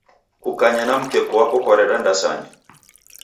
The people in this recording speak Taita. Kukanya na mkeku wako kwareda ndasanya.